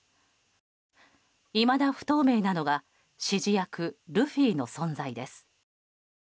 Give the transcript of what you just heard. いまだ不透明なのが指示役ルフィの存在です。